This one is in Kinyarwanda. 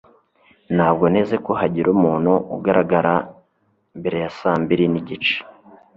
Ntabwo nteze ko hagira umuntu ugaragara mbere ya saa mbiri n'igice.